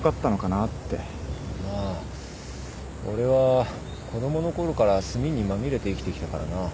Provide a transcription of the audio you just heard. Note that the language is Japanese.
まあ俺は子供のころから墨にまみれて生きてきたからな。